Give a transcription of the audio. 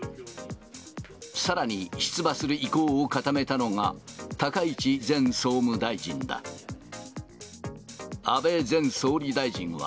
さらに、出馬する意向を固めたのが、高市前総務大臣だ。